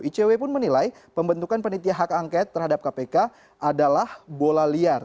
icw pun menilai pembentukan penitia hak angket terhadap kpk adalah bola liar